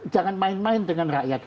jangan main main dengan rakyat